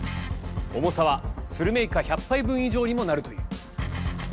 重さはスルメイカ１００杯分以上にもなるという。